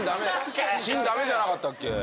チンダメじゃなかったっけ？